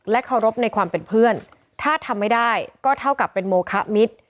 เคารพในความเป็นเพื่อนถ้าทำไม่ได้ก็เท่ากับเป็นโมคะมิตร